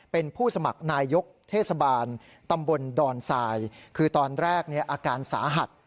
เป็นผู้สมัครนายยกเทศบาลตำบลดอนทรายคือตอนแรกอาการสาหัส